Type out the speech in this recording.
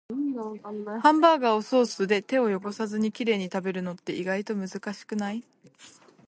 ハンバーガーをソースで手を汚さずにきれいに食べるのって、意外と難しくない？